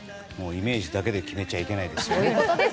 イメージだけで決めちゃいけないですね。